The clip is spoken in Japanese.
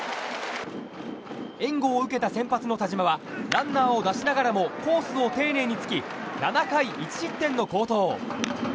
援護を受けた先発の田嶋はランナーを出しながらもコースを丁寧に突き７回１失点の好投。